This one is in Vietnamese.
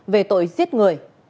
về tội giết người